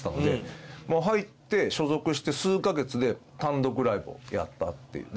入って所属して数カ月で単独ライブをやったっていう。